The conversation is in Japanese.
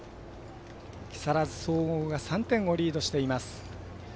木更津総合が３点をリードしています。